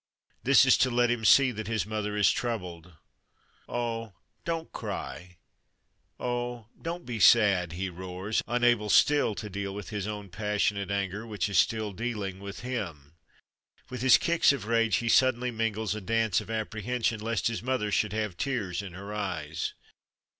This is to let him see that his mother is troubled. "Oh, don't cry! Oh, don't be sad!" he roars, unable still to deal with his own passionate anger, which is still dealing with him. With his kicks of rage he suddenly mingles a dance of apprehension lest his mother should have tears in her eyes.